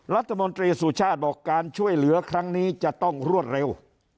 รัฐมนตรีสุชาติบอกการช่วยเหลือครั้งนี้จะต้องรวดเร็ว